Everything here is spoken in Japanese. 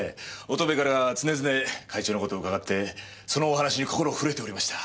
乙部から常々会長の事を伺ってそのお話に心震えておりました。